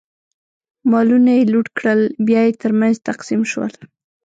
مالونه یې لوټ کړل، بیا یې ترمنځ تقسیم شول.